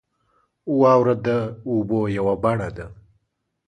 • واوره د اوبو یوه بڼه ده.